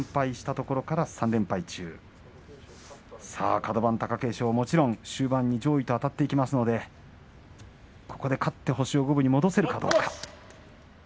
カド番貴景勝、もちろん終盤に上位とあたっていきますのでここで勝って星を五分に戻せるかどうか。